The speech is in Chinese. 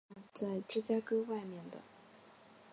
法兰克被埋葬在芝加哥外面的。